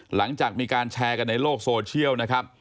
หลังจากมีการแชร์กันในโลกโซเชียลนะครับ